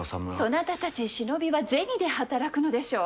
そなたたち忍びは銭で働くのでしょう。